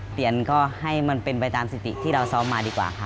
เปลี่ยนก็ให้มันเป็นไปตามสิติที่เราซ้อมมาดีกว่าค่ะ